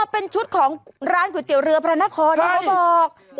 เป็นชุดของร้านไทยเตี๋ยวเรือพระนครเนี่ยก็บอกน์ค่ะใช่